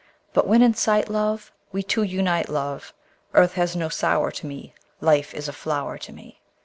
But when in sight, love, We two unite, love, Earth has no sour to me; Life is a flower to me!